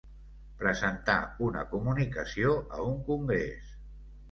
Presentar una comunicació a un congrés.